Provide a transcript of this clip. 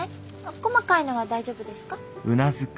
細かいのは大丈夫ですか？